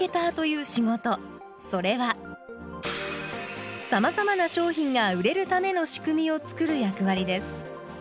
それはさまざまな商品が売れるための仕組みを作る役割です。